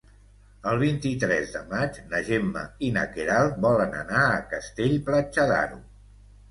El vint-i-tres de maig na Gemma i na Queralt volen anar a Castell-Platja d'Aro.